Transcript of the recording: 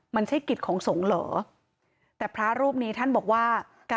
มันใช่กิจของสงฆ์เหรอแต่พระรูปนี้ท่านบอกว่า